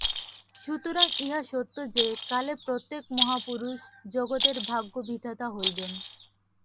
সুতরাং ইহা সত্য যে, কালে প্রত্যেক মহাপুরুষ জগতের ভাগ্যবিধাতা হইবেন।